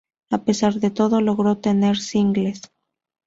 A pesar de todo, logró tener singles.